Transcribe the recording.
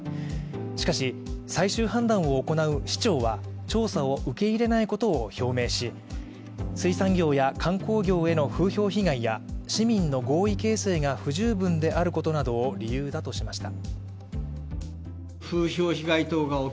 しかし、最終判断を行う市長は調査を受け入れないことを表明し、水産業や観光業への風評被害や市民の合意形成が不十分であることなどを理由としました。